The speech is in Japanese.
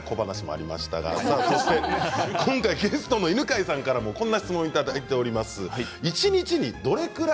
今回ゲストの犬飼さんから質問いただいています。